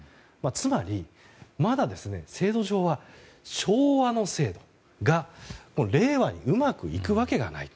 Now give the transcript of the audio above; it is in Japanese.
つまり、まだ制度上は昭和の制度が令和にうまくいくわけがない。